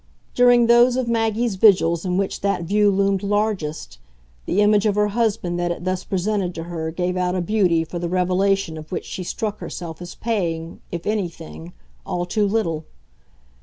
During those of Maggie's vigils in which that view loomed largest, the image of her husband that it thus presented to her gave out a beauty for the revelation of which she struck herself as paying, if anything, all too little.